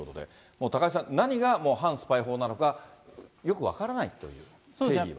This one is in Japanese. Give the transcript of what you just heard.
もう高井さん、何が反スパイ法なのかよく分からないという、定義が。